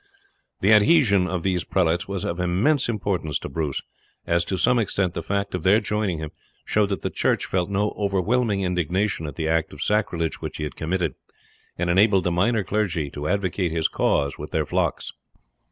The adhesion of these prelates was of immense importance to Bruce, as to some extent the fact of their joining him showed that the church felt no overwhelming indignation at the act of sacrilege which he had committed, and enabled the minor clergy to advocate his cause with their flocks.